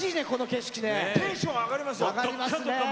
テンション上がりますよ。